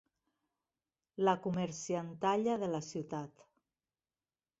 La comerciantalla de la ciutat.